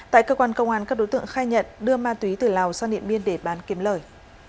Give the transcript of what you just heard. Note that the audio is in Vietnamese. tại cơ quan công an các đối tượng khai nhận đưa ma túy từ lào sang điện biên để bán kiếm lời